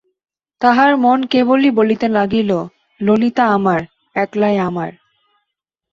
তাহার মন কেবলই বলিতে লাগিল, ললিতা আমার, একলাই আমার!